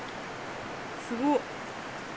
すごっ！